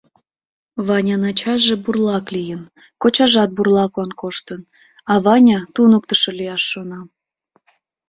Ванян ачаже бурлак лийын, кочажат бурлаклан коштын, а Ваня туныктышо лияш шона.